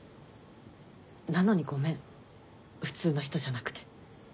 なのにごめん普通の人じゃなくて。